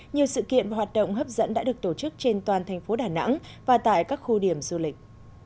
nhiều sự kiện hoạt động hấp dẫn đã được tổ chức trên toàn thành phố đà nẵng và tại các khu điểm du lịch